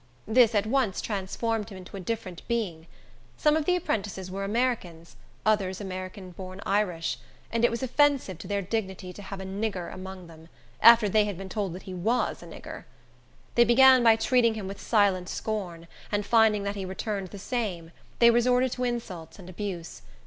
This at once transformed him into a different being. Some of the apprentices were Americans, others American born Irish; and it was offensive to their dignity to have a "nigger" among them, after they had been told that he was a "nigger." They began by treating him with silent scorn, and finding that he returned the same, they resorted to insults and abuse.